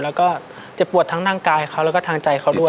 แล้วก็เจ็บปวดทั้งร่างกายเขาแล้วก็ทางใจเขาด้วย